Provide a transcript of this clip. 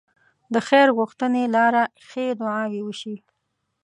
د خير غوښتنې لاره ښې دعاوې وشي.